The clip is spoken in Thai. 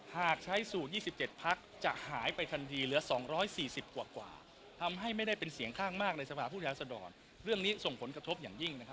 หากใช้สูตร๒๗พักจะหายไปทันทีเหลือ๒๔๐กว่าทำให้ไม่ได้เป็นเสียงข้างมากในสภาพผู้แทนรัศดรเรื่องนี้ส่งผลกระทบอย่างยิ่งนะครับ